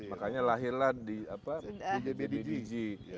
makanya lahirlah di pbbg